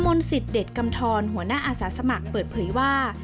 นศิษย์เด็ดกำทรหัวหน้าอาสาสมัครเปิดเผยว่า